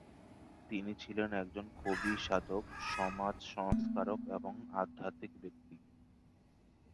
তিনি ছিলেন একজন কবি-সাধক, সমাজ সংস্কারক এবং আধ্যাত্মিক ব্যক্তিত্ব।